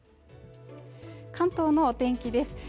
関東の天気です